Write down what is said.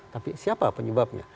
tapi siapa penyebabnya